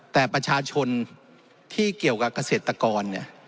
แต่ประชาชนที่เกี่ยวกับเกษตรกรเนี่ย